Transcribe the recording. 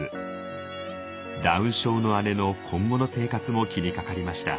ダウン症の姉の今後の生活も気にかかりました。